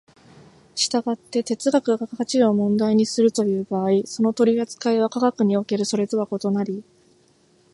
従って哲学が価値を問題にするという場合、その取扱いは科学におけるそれとは異なり、